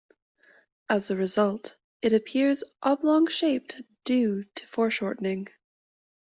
As a result, it appears oblong-shaped due to foreshortening.